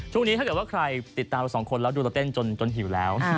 ช่วงนี้ถ้าใครติดตามสองคนแล้วดูแล้วเต้นจนหิวแล้ว